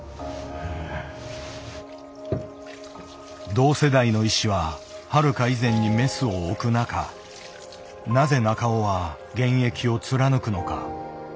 同世代の医師ははるか以前にメスを置く中なぜ中尾は現役を貫くのか。